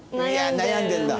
悩んでるんだ。